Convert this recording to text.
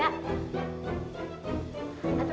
sama menibelagu pisan